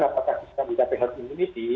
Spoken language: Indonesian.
apakah kita mendapatkan imuniti